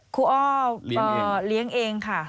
อ้อเลี้ยงเองค่ะ